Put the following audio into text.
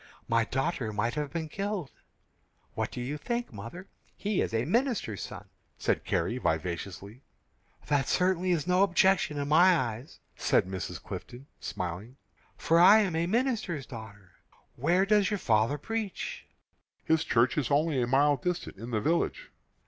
My daughter might have been killed." "What do you think, mother? He is a minister's son," said Carrie, vivaciously. "That certainly is no objection in my eyes," said Mrs. Clifton, smiling, "for I am a minister's daughter. Where does your father preach?" "His church is only a mile distant, in the village."